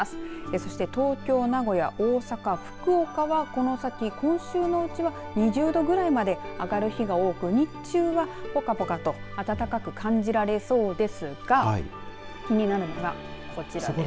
そして、東京、名古屋大阪、福岡はこの先、今週のうちは２０度ぐらいまで上がる日が多く日中はぽかぽかと暖かく感じられそうですが気になるのが、こちらです。